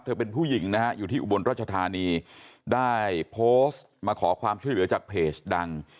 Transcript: เป็นผู้หญิงนะฮะอยู่ที่อุบลรัชธานีได้โพสต์มาขอความช่วยเหลือจากเพจดัง